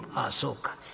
あそうか。